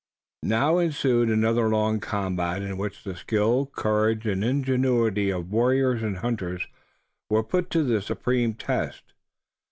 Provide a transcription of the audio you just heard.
Now ensued another long combat in which the skill, courage and ingenuity of warriors and hunters were put to the supreme test.